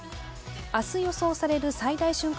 明日予想される最大瞬間